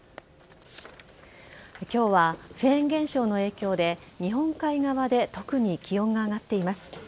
今日はフェーン現象の影響で日本海側で特に気温が上がっています。